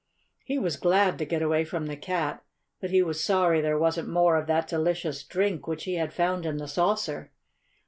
He was glad to get away from the cat. But he was sorry there wasn't more of that delicious drink which he had found in the saucer.